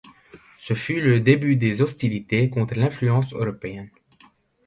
Ce fut le début des hostilités contre l'influence européenne.